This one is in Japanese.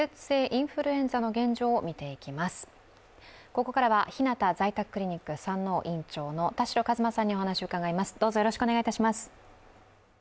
ここからはひなた在宅クリニック山王院長の田代和馬さんにお話を伺います。